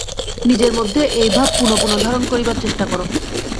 নিজের মধ্যে এই ভাব পুনঃপুন ধারণা করিবার চেষ্টা কর।